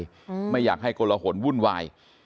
ว่าไม่อยากให้โกลหลว่นนว่าย